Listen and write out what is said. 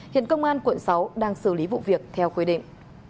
hiện công an quận sáu đang xử lý vụ việc theo quy định